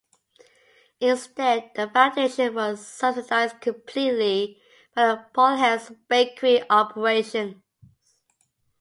Instead the foundation was subsidized completely by the Paul Helms bakery operations.